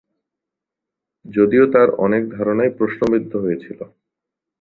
যদিও তার অনেক ধারণায় প্রশ্নবিদ্ধ হয়েছিল।